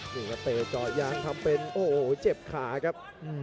นี่ครับเตะเจาะยางทำเป็นโอ้โหเจ็บขาครับ